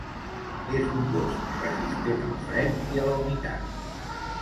És un gos resistent al fred i a la humitat.